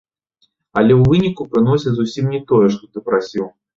Але ў выніку прыносяць зусім не тое, што ты прасіў.